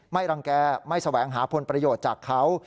รังแก่ไม่แสวงหาผลประโยชน์จากเขา